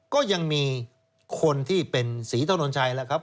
ก็ยังมีคนที่เป็นศรีถนนชัยแล้วครับ